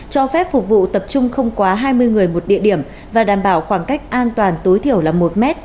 cho phép phục vụ tập trung không quá hai mươi người một địa điểm và đảm bảo khoảng cách an toàn tối thiểu là một m